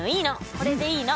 これでいいの。